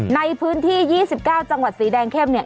ในพื้นที่๒๙จังหวัดสีแดงเข้มเนี่ย